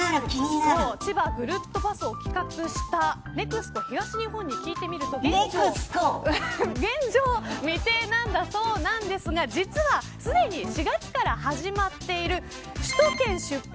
千葉ぐるっとパスを企画したＮＥＸＣＯ東日本に聞いてみると現状未定なんだそうなんですが実はすでに４月から始まっている首都圏出発